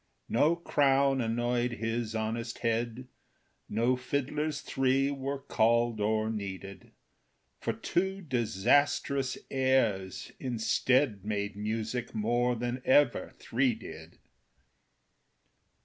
No crown annoyed his honest head, No fiddlers three were called or needed; For two disastrous heirs instead Made music more than ever three did.